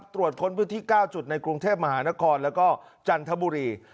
ตรวจค้นพื้นที่๙จุดในกรุงเทพมหานครแล้วก็จันทบุรี